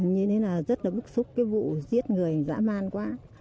như thế là rất là bức xúc cái vụ giết người dã man quá